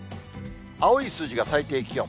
青い数字が最低気温。